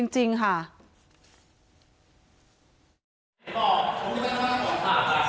จริงค่ะ